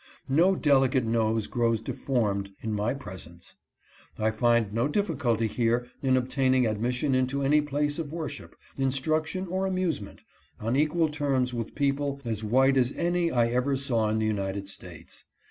No delicate nose grows deformed in my presence. I find no difficulty here in obtain ing admission into any place of worship, instruction or amusement, on equal terms with people as white as any I ever saw in the United States.